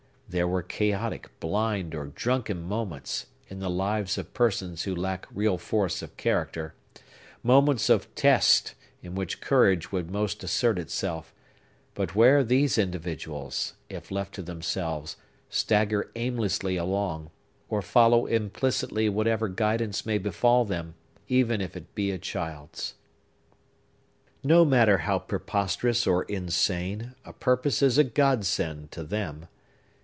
There are chaotic, blind, or drunken moments, in the lives of persons who lack real force of character,—moments of test, in which courage would most assert itself,—but where these individuals, if left to themselves, stagger aimlessly along, or follow implicitly whatever guidance may befall them, even if it be a child's. No matter how preposterous or insane, a purpose is a Godsend to them.